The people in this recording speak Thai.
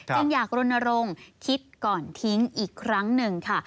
จึงอยากรณรงค์คิดก่อนทิ้งอีกครั้งหนึ่งค่ะ